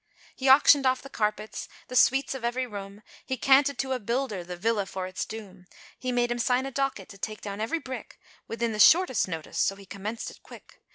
He auctioned off the carpets, the suites of every room, He canted to a builder, the villa for its doom; He made him sign a docket, to take down every brick, Within the shortest notice, so he commenced it quick.